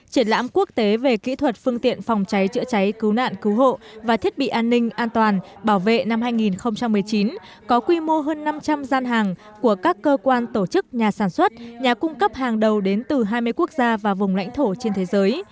triển lãm quốc tế về kỹ thuật phương tiện phòng cháy chữa cháy cứu nạn cứu hộ và thiết bị an ninh an toàn bảo vệ năm hai nghìn một mươi chín có quy mô hơn năm trăm linh gian hàng của các cơ quan tổ chức nhà sản xuất nhà cung cấp hàng đầu đến từ hai mươi quốc gia và vùng lãnh thổ trên thế giới